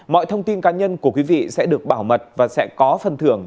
mọi thông tin cá nhân của quý vị sẽ được bảo mật và sẽ có phần thưởng